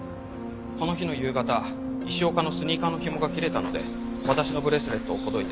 この日の夕方石岡のスニーカーのひもが切れたので私のブレスレットをほどいて靴ひもにしてやったんです。